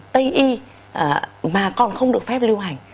tây y mà còn không được phép lưu hành